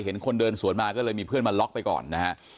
คนเดินสวนมาก็เลยมีเพื่อนมาล็อกไปก่อนนะฮะ